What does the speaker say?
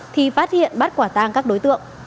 thì phát hiện bắt quả tang các đối tượng